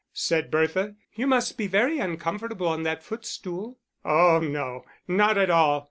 said Bertha. "You must be very uncomfortable on that footstool." "Oh no, not at all.